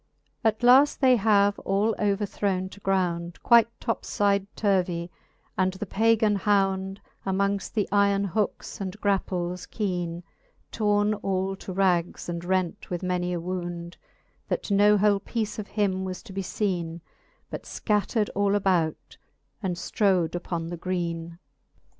At laft they have all overthrowne to ground Quite toplide turvey, and the pagan hound Amongft the yron hookes and graples keene, Torn all to rags, and rent with many a wound, That no whole peece of him was to be feene, But fcattred all about, and ftrowM upon the greene.